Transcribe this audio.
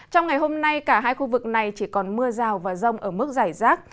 trong ngày hôm nay cả hai khu vực này chỉ còn mưa rào và rông ở mức giải rác